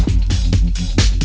bunuh mereka pak